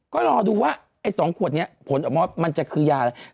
ก็รอดูว่าไอ้๒ขวดนี้ผลออกมามันจะคือยาอะไร